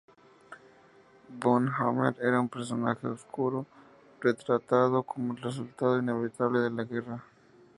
Von Hammer era un personaje oscuro, retratado como el resultado inevitable de la guerra.